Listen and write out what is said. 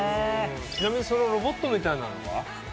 ちなみにそのロボットみたいなのは？